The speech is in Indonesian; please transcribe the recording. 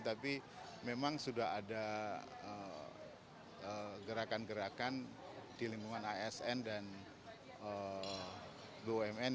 tapi memang sudah ada gerakan gerakan di lingkungan asn dan bumn